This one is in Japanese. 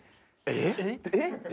えっ？